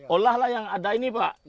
olah yang ada ini pak